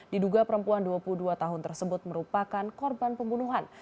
diduga perempuan dua puluh dua tahun tersebut merupakan korban pembunuhan